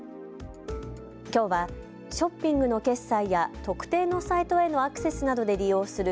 きょうはショッピングの決済や特定のサイトへのアクセスなどで利用する